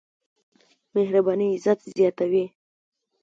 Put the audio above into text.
مهرباني عزت زياتوي.